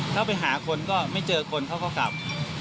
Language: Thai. ถ้าไปหาคนก็ไม่เจอคนเขาก็กลับ